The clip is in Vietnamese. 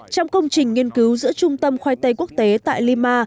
trong công trình nghiên cứu giữa trung tâm khoai tây quốc tế tại lima